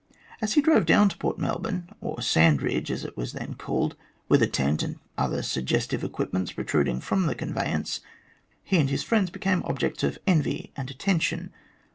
As he drove down to Port Melbourne, or Sandridge, as it was then called, with a tent and other suggestive equipments protruding from the conveyance, he and his friends became objects of envy and attention.